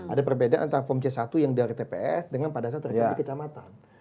ada perbedaan antara form c satu yang dari tps dengan pada saat rekam di kecamatan